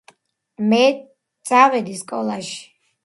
მე წავედი სკოლაში